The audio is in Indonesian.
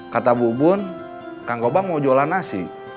kata bu bun kang gobang mau jualan nasi